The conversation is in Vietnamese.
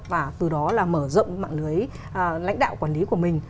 và từ đó là mở rộng mạng lưới lãnh đạo quản lý của mình